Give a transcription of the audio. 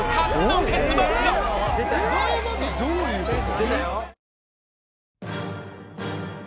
どういうこと？